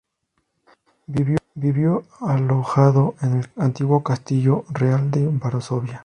Vivió alojado en el antiguo Castillo Real de Varsovia.